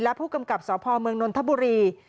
และผู้กำกับสพเมืองนนทบุรี